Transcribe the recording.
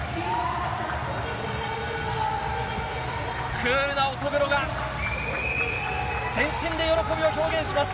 クールな乙黒が全身で喜びを表現します。